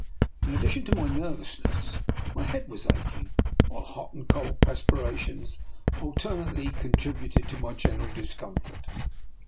In addition to my nervousness, my head was aching, while hot and cold perspirations alternately con tributed to my general discomfort.